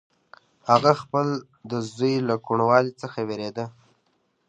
هغه د خپل زوی له کوڼوالي څخه وېرېده.